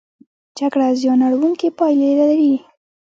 جګړه زیان اړوونکې پایلې لري.